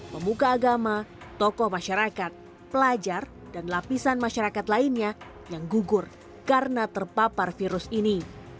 pemuka agama tokoh masyarakat pelajar dan lapisan masyarakat lainnya yang gugur karena terpapar virus ini